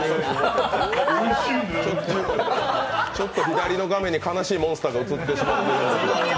ちょっと左の画面に悲しいモンスターが映ってしまって。